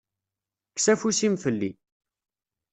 Kkes afus-im fell-i.